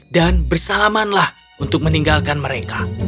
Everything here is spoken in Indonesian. dan bersalamanlah untuk meninggalkan mereka